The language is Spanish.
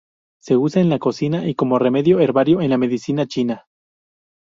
Se usa en la cocina y como remedio herbario en la medicina china.